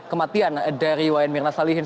kematian dari wayan mirna salihin